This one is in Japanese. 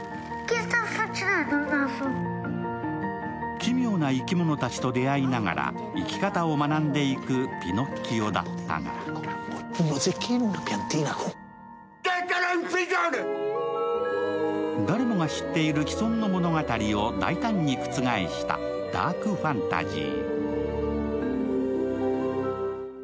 奇妙な生き物たちと出会いながら生き方を学んでいくピノッキオだったが誰もが知っている既存の物語を大胆に覆したダークファンタジー。